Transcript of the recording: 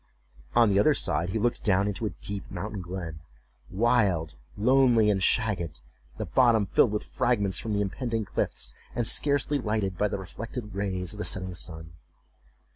On the other side he looked down into a deep mountain glen, wild, lonely, and shagged, the bottom filled with fragments from the impending cliffs, and scarcely lighted by the reflected rays of the setting sun.